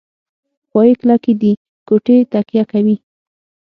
پایې کلکې دي کوټې تکیه کوي.